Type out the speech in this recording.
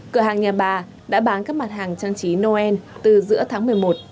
cửa hàng nhà bà đã bán các mặt hàng trang trí noel từ giữa tháng một mươi một